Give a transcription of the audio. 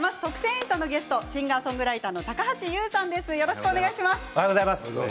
エンタ」のゲストシンガーソングライターの高橋優さんです。